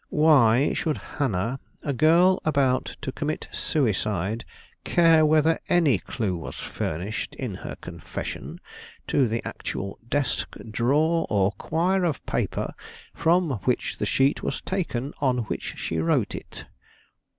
Why should Hannah, a girl about to commit suicide, care whether any clue was furnished, in her confession, to the actual desk, drawer, or quire of paper from which the sheet was taken, on which she wrote it?"